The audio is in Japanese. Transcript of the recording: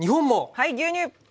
はい牛乳！